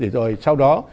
rồi sau đó